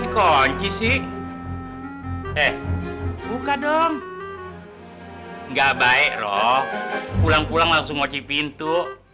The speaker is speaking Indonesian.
kunci sih eh buka dong nggak baik roh pulang pulang langsung ngoci pintu